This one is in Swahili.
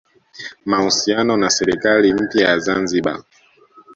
mahusiano na serikali mpya ya Zanzibar